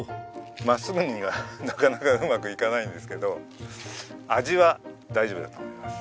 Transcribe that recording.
真っすぐにはなかなかうまくいかないんですけど味は大丈夫だと思います。